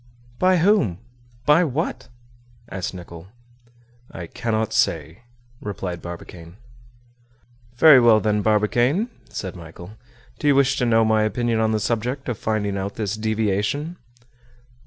"By whom? by what?" asked Nicholl. "I cannot say," replied Barbicane. "Very well, then, Barbicane," said Michel, "do you wish to know my opinion on the subject of finding out this deviation?"